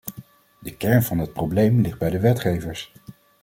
De kern van het probleem ligt bij de wetgevers.